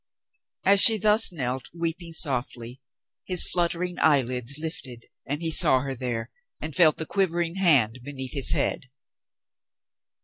As she thus knelt, weeping softly, his fluttering eyelids lifted and he saw her there, and felt the quivering hand beneath his head.